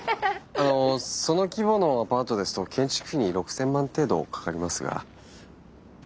あのその規模のアパートですと建築費に６，０００万程度かかりますが資金の方は？